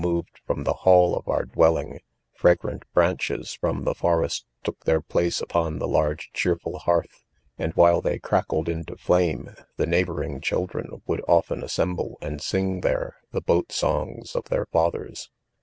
moved from the hall of oar dwelling • fragrant branch es from the forest took their place upon the large cheerful hearth 5 and while they crack led into flame, the neighboring children would often assemble and sing there, the' boat songs of their 'fathers.